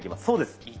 そうです！